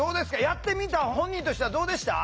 やってみた本人としてはどうでした？